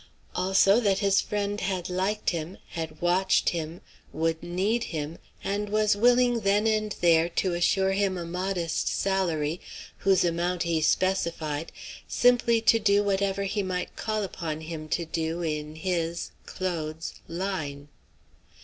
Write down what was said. Also that his friend had liked him, had watched him, would need him, and was willing then and there to assure him a modest salary, whose amount he specified, simply to do whatever he might call upon him to do in his (Claude's) "line."